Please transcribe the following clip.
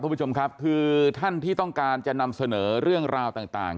คุณผู้ชมครับคือท่านที่ต้องการจะนำเสนอเรื่องราวต่าง